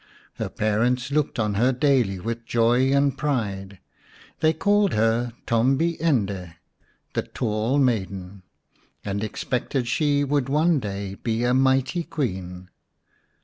Her parents looked on her daily with joy and pride. They called her Tombi ende, " the Tall Maiden," and expected she would one day be a mighty Queen.